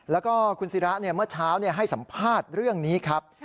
แล้วก็คุณศิระเมื่อเช้าให้สัมภาษณ์เรื่องนี้ครับ